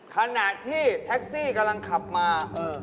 ขณะที่แท็กซี่กำลังขับมา